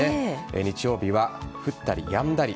日曜日は降ったりやんだり。